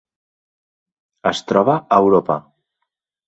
Es troba a Europa.